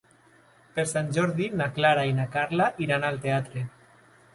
Per Sant Jordi na Clara i na Carla iran al teatre.